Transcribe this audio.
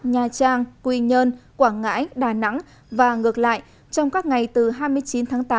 nha trang quy nhơn quảng ngãi đà nẵng và ngược lại trong các ngày từ hai mươi chín tháng tám